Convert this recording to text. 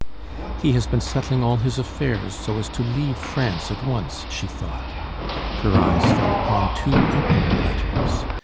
"He has been settling all his affairs, so as to leave France at once," she thought. Her eyes fell upon two open letters.